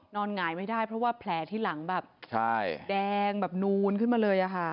หงายไม่ได้เพราะว่าแผลที่หลังแบบแดงแบบนูนขึ้นมาเลยค่ะ